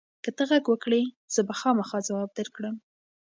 که ته غږ وکړې، زه به خامخا ځواب درکړم.